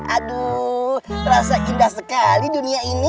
aduh terasa indah sekali dunia ini